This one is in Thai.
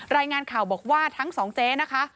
รายงานข่าวบอกว่าทั้งสองเจ๊นะคะ